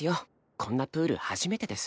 こんなプール初めてです。